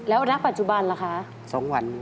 แล้วอนาคตปัจจุบันล่ะคะ